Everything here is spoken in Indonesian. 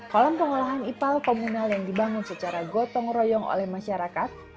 kolam pengolahan ipal komunal yang dibangun secara gotong royong oleh masyarakat